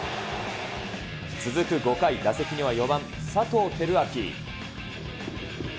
続く５回、打席には４番佐藤輝明。